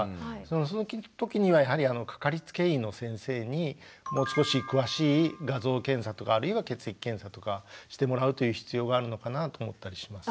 そのときにはやはりかかりつけ医の先生にもう少し詳しい画像検査とかあるいは血液検査とかしてもらうという必要があるのかなと思ったりします。